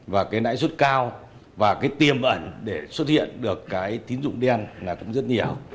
và cái nãi suất cao và cái tiềm ẩn để xuất hiện được cái tín dụng đen là cũng rất nhiều